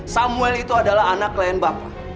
samuel itu adalah anak klien bapak